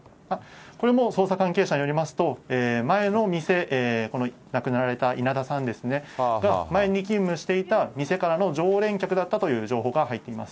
これも捜査関係者によりますと、前の店、この亡くなられた稲田さんですね、前に勤務していた店からの常連客だったという情報が入っています。